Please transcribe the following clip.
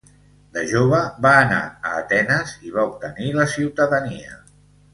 De jove va anar a Atenes i va obtenir la ciutadania.